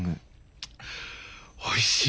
おいしい。